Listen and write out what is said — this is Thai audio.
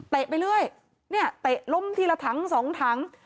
เตะไปเรื่อยเตะลมทีละทั้ง๒ทั้ง